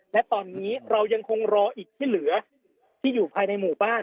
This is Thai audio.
และตอนนี้เรายังคงรออีกที่เหลือที่อยู่ภายในหมู่บ้าน